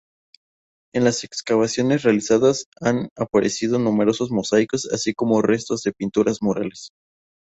En las excavaciones realizadas han aparecido numerosos mosaicos así como restos de pinturas murales.